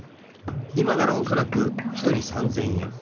［今ならおそらく一人３，０００円］